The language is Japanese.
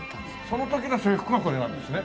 その時の制服がこれなんですね。